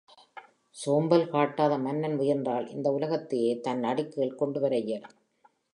சோம்பல் காட்டாத மன்னன் முயன்றால் இந்த உலகத்தையே தன் அடிக்கீழ் கொண்டுவர இயலும்.